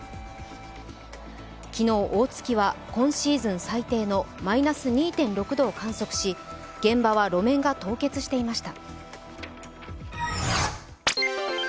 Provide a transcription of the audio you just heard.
昨日、大月は今シーズン最低のマイナス２．６度を観測し現場は路面が凍結していました。